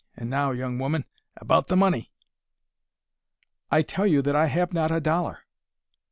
And now, young woman, about the money?" "I tell you that I have not a dollar."